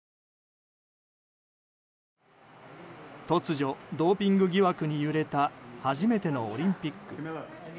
突如、ドーピング疑惑に揺れた初めてのオリンピック。